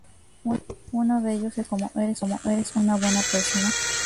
Uno de ellos es conocido como "¿Eres una buena persona?".